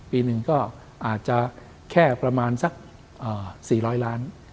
ปีหนึ่งก็อาจจะแค่ประมาณสัก๔๐๐ล้าน